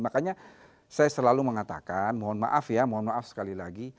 makanya saya selalu mengatakan mohon maaf ya mohon maaf sekali lagi